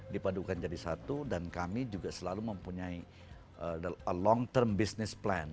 dipadukan jadi satu dan kami juga selalu mempunyai long term business plan